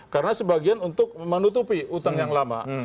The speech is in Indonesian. karena sebagian untuk menutupi utang yang lama